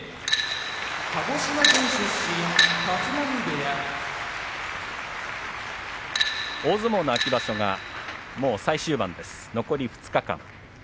鹿児島県出身立浪部屋大相撲の秋場所がもう最終盤です、残り２日間。